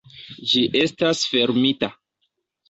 Ĝi estas fermita.